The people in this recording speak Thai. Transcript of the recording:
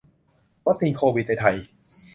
วัคซีนโควิดในไทย